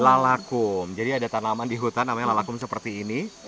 lalakum jadi ada tanaman di hutan namanya lalakum seperti ini